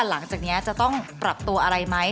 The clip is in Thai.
หลังจากนี้จะต้องปรับตัวอะไรไหม